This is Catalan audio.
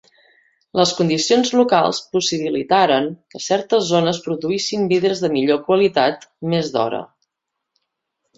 Les condicions locals possibilitaren que certes zones produïssin vidres de millor qualitat més d'hora.